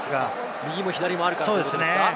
右も左もあるからということですか？